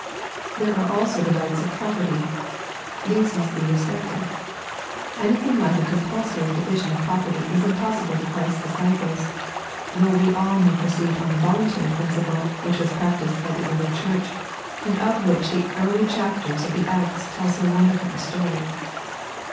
There are also the rights of proparty. These must be respected. Anything like a compidtoiy division of pro perty is impassible to Christ's diaciplee, thoogb we all may proceed on the mlmUary principle which was practised by the early Church, and of whkh the early chapters c^ the Acts tell so wonderful a story.